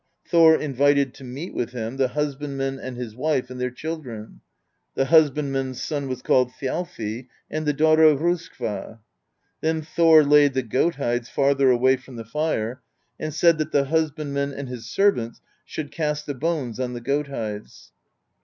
Thor invited to meat with him the hus bandman and his wife, and their children : the husband man's son was called Thjalfi, and the daughter Roskva. Then Thor laid the goat hides farther away from the fire, and said that the husbandman and his servants should cast the bones on the goat hides.